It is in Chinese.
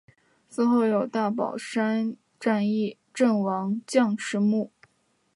祠后有大宝山战役阵亡将士墓。